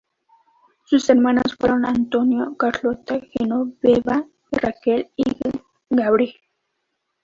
Sus hermanos fueron Antonio, Carlota, Genoveva, Raquel y Gabriel.